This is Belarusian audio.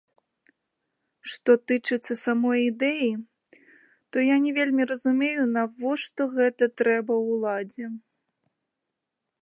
Што тычыцца самой ідэі, то я не вельмі разумею, навошта гэта трэба ўладзе.